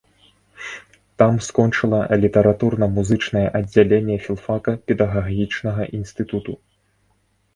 Там скончыла літаратурна-музычнае аддзяленне філфака педагагічнага інстытуту.